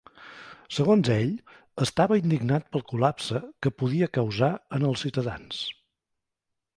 Segons ell, estava indignat pel col·lapse que podia causar en els ciutadans.